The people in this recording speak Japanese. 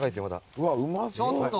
うわうまそう。